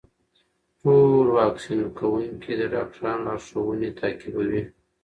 ټول واکسین کوونکي د ډاکټرانو لارښوونې تعقیبوي.